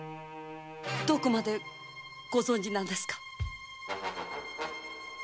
どこまでご存じなんですか？